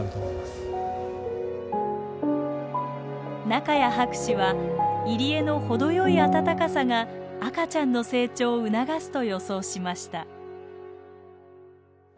仲谷博士は入り江の程よいあたたかさが赤ちゃんの成長を促すと予想しました。